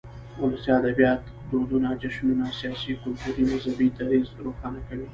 ولسي ادبيات دودنه، جشنونه ،سياسي، کلتوري ،مذهبي ، دريځ روښانه کوي.